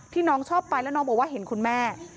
น้องชอบไปแล้วน้องบอกว่าเห็นคุณแม่